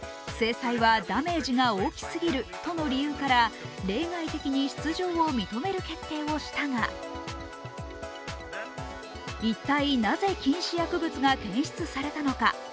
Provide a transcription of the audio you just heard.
制裁はダメージが大きすぎるとの理由から例外的に出場を認める決定をしたが、一体なぜ禁止薬物が検出されたのか。